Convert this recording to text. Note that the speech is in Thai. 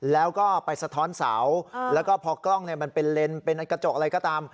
แล้วก็ไปสะท้อนเสาแล้วก็พอกล้องมันเป็นเลนเป็นกระจกอะไรก็ตาม